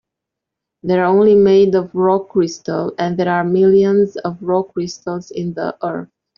They're only made of rock crystal, and there are millions of rock crystals in the earth.